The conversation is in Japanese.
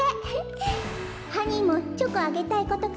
ハニーもチョコあげたいことかいる？